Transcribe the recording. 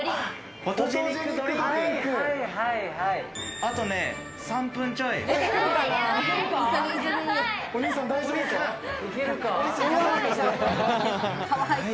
あとね、３分ちょい。